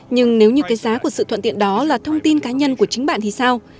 nhưng nếu như cái giá của sự thuận tiện đó là thông tin cá nhân của chính bạn thì sao